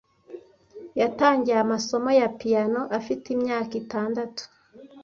Yatangiye amasomo ya piyano afite imyaka itandatu.